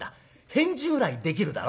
返事ぐらいできるだろ？ね？